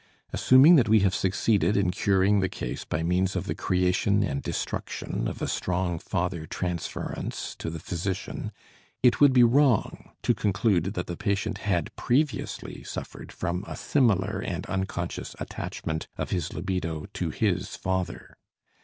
Assuming that we have succeeded in curing the case by means of the creation and destruction of a strong father transference to the physician, it would be wrong to conclude that the patient had previously suffered from a similar and unconscious attachment of his libido to his father.